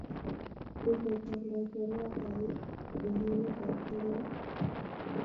Rutoita ab laitoriat eng emet ab chumbek.